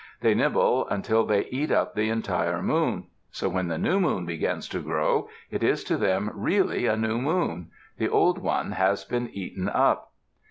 They nibble until they eat up the entire moon. So when the new moon begins to grow, it is to them really a new moon; the old one has been eaten up.